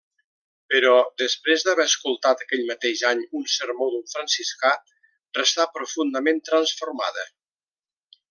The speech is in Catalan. Però, després d'haver escoltat aquell mateix any un sermó d'un franciscà, restà profundament transformada.